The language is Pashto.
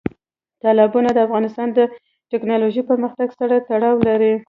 تالابونه د افغانستان د تکنالوژۍ پرمختګ سره تړاو لري.